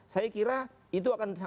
saya kira itu akan sangat